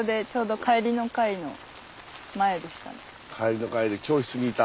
帰りの会で教室にいた？